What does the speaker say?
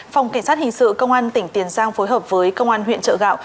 phòng kiểm soát hình sự công an tỉnh tiền giang phối hợp với công an huyện trợ gạo